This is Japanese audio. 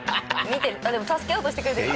でも助けようとしてくれてる。